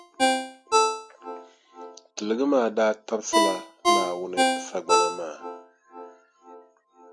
Tiligi maa daa tabisila Naawuni sagbana maa.